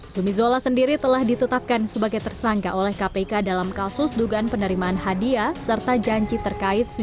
zumi zola anggota dewan jambi dua ribu delapan belas menyebutkan bahwa ia tidak pernah mendengar langsung ada permintaan uang swab